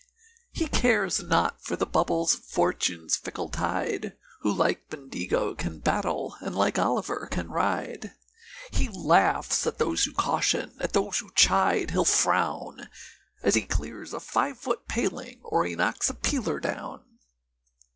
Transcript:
He cares not for the bubbles of Fortune's fickle tide, Who like Bendigo can battle, and like Olliver can ride. He laughs at those who caution, at those who chide he'll frown, As he clears a five foot paling, or he knocks a peeler down.